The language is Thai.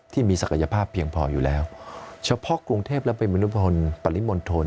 ที่มีศักยภาพเพียงพออยู่แล้วเฉพาะกรุงเทพและเป็นมนุพลปริมณฑล